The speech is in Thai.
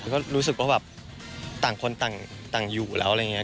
ก็รู้สึกว่าแบบต่างคนต่างอยู่แล้วอะไรอย่างนี้